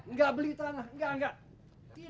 nggak beli tanah nggak nggak